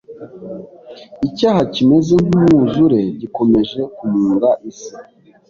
Icyaha, kimeze nk’umwuzure gikomeje kumunga isi